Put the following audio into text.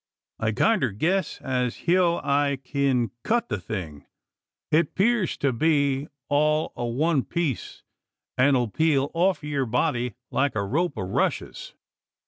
I kinder guess as heow I kin cut the thing. It 'peers to be all o' one piece, an' 'll peel off yeer body like a rope o' rushes.